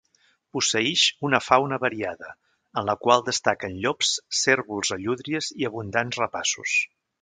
Posseïx una fauna variada, en la qual destaquen llops, cérvols o llúdries, i abundants rapaços.